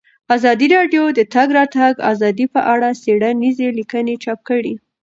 ازادي راډیو د د تګ راتګ ازادي په اړه څېړنیزې لیکنې چاپ کړي.